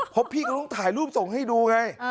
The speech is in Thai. เพราะพี่ก็ต้องถ่ายรูปส่งให้ดูไง